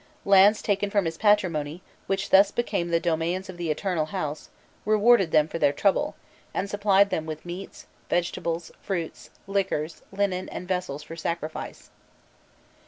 Lands taken from his patrimony, which thus became the "Domains of the Eternal House," rewarded them for their trouble, and supplied them with meats, vegetables, fruits, liquors, linen and vessels for sacrifice.